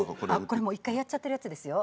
これ１回やっちゃってるやつですよ。